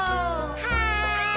はい！